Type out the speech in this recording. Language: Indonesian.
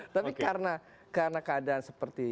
tapi karena keadaan seperti